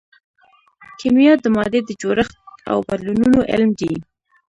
کیمیا د مادې د جوړښت او بدلونونو علم دی.